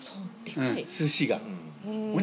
寿司が。